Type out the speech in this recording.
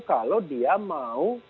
kalau dia mau